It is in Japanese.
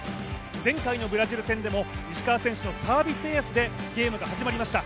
前回のブラジル戦でも石川選手のサービスエースでゲームが始まりました。